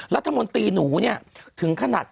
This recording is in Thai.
รัฐมนตรีหนูเนี่ยถึงขนาด